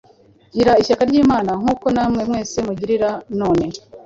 ngira ishyaka ry’Imana, nk’uko namwe mwese murigira none.”